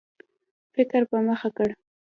فکر په مخه کړ.